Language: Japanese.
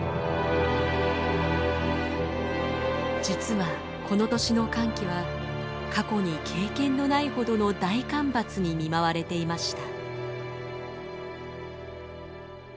実はこの年の乾季は過去に経験のないほどの大干ばつに見舞われていました。